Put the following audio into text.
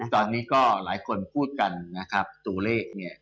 ตอนนี้ก็หลายคนพูดกันนะครับตัวเลขเนี่ย